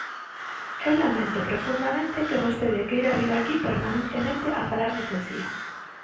Eu lamento profundamente que vostede queira vir aquí permanentemente a falar de poesía.